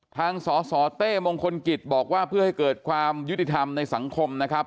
สสเต้มงคลกิจบอกว่าเพื่อให้เกิดความยุติธรรมในสังคมนะครับ